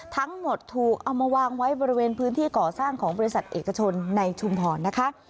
ทั้งหมดถูกเอามาวางไว้บริเวณพื้นที่ก่อสร้างของบริษัทเอกชนในชุมพรนะคะ